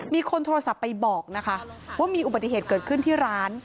มีคนโทรศัพท์ไปบอกนะคะว่ามีอุบัติเหตุเกิดขึ้นที่ร้าน